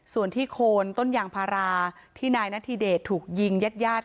ส่วนที่โคนต้นยางพาราที่นายณฑิเดชถูกยิงเย็ด